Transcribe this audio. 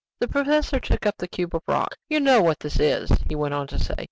The professor took up the cube of rock. "You know what this is," he went on to say.